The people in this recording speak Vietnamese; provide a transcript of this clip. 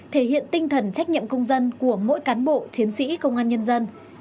thể hiện tinh thần trách nhiệm công dân của mỗi cán bộ chiến sĩ công an nhân dân